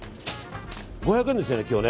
５００円ですよね、今日ね。